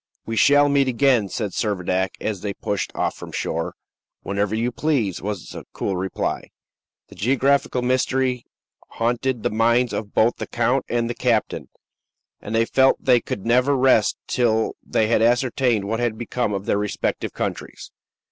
"We shall meet again," said Servadac, as they pushed off from shore. "Whenever you please," was the cool reply. The geographical mystery haunted the minds of both the count and the captain, and they felt they could never rest till they had ascertained what had become of their respective countries.